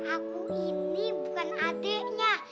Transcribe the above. aku ini bukan adiknya